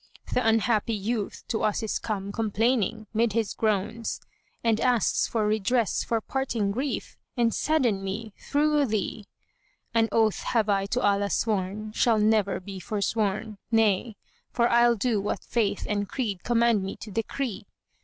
Th' unhappy youth to us is come complaining 'mid his groans * And asks redress for parting grief and saddened me through thee. An oath have I to Allah sworn shall never be forsworn; * Nay, for I'll do what Faith and Creed command me to decree.